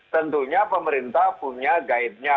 tentunya pemerintah punya guide nya